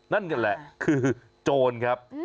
นั่นแหละคือโจรครับ